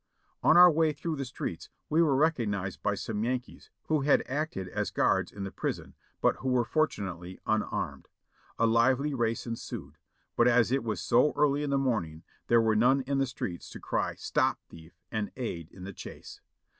On our way through the streets we were recognized by some Yankees who had acted as guards in the prison, but who were fortunately unarmed. A lively race ensued ; but as it was so early in the morning there were none on the streets to cry "stop thief!" and aid in the chase.